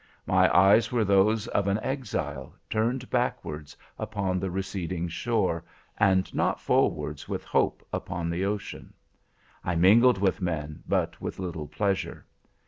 My eyes were those of an exile turned backwards upon the receding shore, and not forwards with hope upon the ocean. I mingled with men, but with little pleasure.